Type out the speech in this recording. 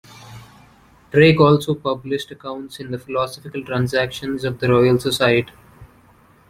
Drake also published accounts in the "Philosophical Transactions" of the Royal Society.